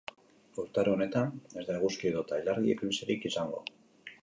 Urtaro honetan ez da eguzki edota ilargi eklipserik izango.